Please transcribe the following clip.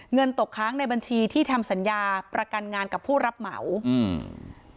เงินตกค้างในบัญชีที่ทำสัญญาประกันงานกับผู้รับเหมาอืม